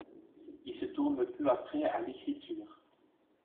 Il se tourne peu après à l'écriture.